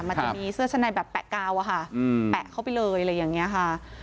มันจะมีเสื้อชั้นในแบบแปะกาวอะค่ะแปะเข้าไปเลยอะไรอย่างนี้ค่ะ